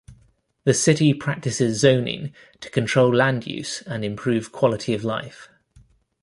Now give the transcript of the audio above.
The city practices zoning to control land use and improve quality of life.